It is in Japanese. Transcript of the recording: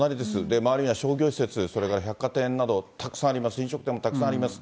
周りには商業施設、それから百貨店などたくさんありまして、飲食店もたくさんあります。